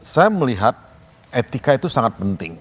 saya melihat etika itu sangat penting